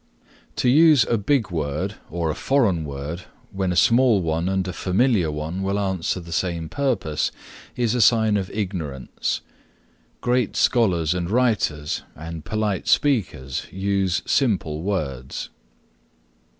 To use a big word or a foreign word when a small one and a familiar one will answer the same purpose, is a sign of ignorance. Great scholars and writers and polite speakers use simple words.